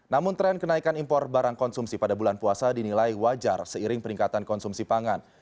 namun tren kenaikan impor barang konsumsi pada bulan puasa dinilai wajar seiring peningkatan konsumsi pangan